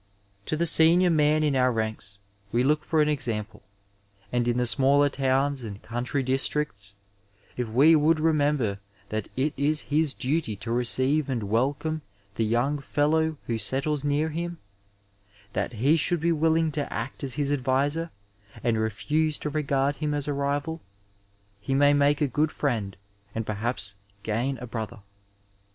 To the senior man in our ranks we look for an example, and in the smaller towns and country districts if he would remember that it is his duty to receive and welcome the young fellow who settles near him, that he should be willing to act as his adviser and refuse to regard him as a rival, he may make a good friend and perhaps gain a brother.